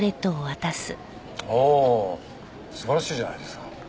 おお！素晴らしいじゃないですか。